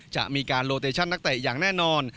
จะมีการโลเตชั่นนักเตะอย่างแน่นอน